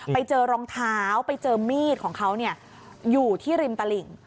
ไปเจอรองเท้าไปเจอมีดของเขาอยู่ที่ริมตลิ่ง